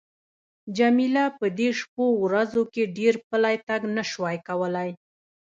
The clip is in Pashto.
جميله په دې شپو ورځو کې ډېر پلی تګ نه شوای کولای.